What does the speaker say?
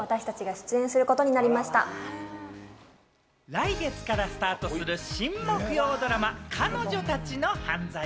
来月からスタートする新木曜ドラマ『彼女たちの犯罪』。